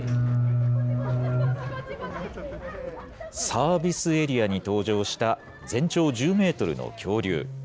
サービスエリアに登場した、全長１０メートルの恐竜。